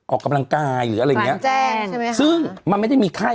ออกกำลังกายหรืออะไรอย่างเงี้ยใช่ไหมคะซึ่งมันไม่ได้มีไข้